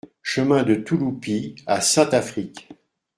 Chemin de Touloupy à Saint-Affrique